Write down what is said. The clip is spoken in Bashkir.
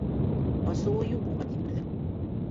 Асыуы юҡ уға Тимерҙең.